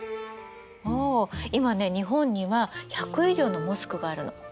今ね日本には１００以上のモスクがあるの。